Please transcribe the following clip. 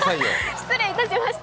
失礼いたしました。